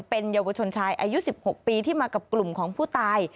เป็นเยาวชนชายอายุ๑๖ปีที่มากับกลุ่มของผู้ตาย